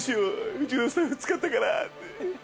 うちのスタッフ使ったからって。